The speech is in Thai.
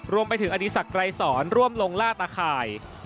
รวมไปถึงอดีศักดรายสอนร่วมลงล่าตาข่าย